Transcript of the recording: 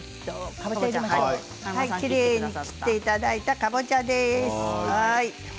きれいに切っていただいたかぼちゃです。